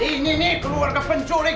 ini nih keluarga penculik